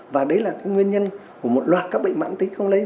và đấy là nguyên nhân của một loạt các bệnh mặn tính không lấy